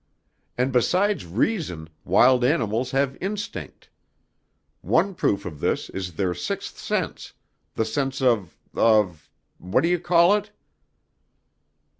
And besides reason wild animals have instinct. One proof of this is their sixth sense; the sense of of what do you call it?"